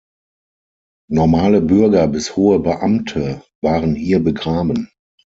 Normale Bürger bis hohe Beamten waren hier begraben.